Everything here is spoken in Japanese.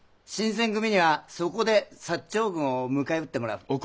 新選組にはそこで長軍を迎え撃ってもうう。